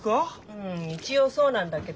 うん一応そうなんだけど。